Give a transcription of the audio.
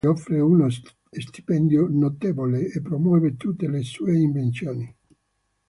Westinghouse gli offre uno stipendio notevole e promuove tutte le sue invenzioni.